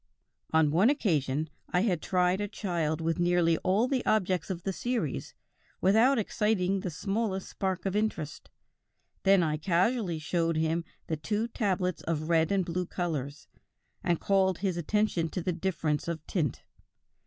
"On one occasion I had tried a child with nearly all the objects of the series without exciting the smallest spark of interest; then I casually showed him the two tablets of red and blue colors, and called his attention to the difference of tint.